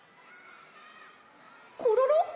コロロ？